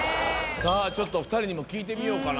さあちょっと２人にも聞いてみようかな？